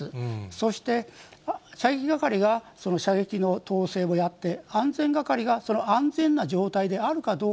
そして、射撃係が射撃の統制をやって、安全係が安全な状態であるかどう